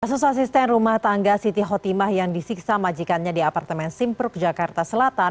asosiasi stand rumah tangga siti hotimah yang disiksa majikannya di apartemen simpruk jakarta selatan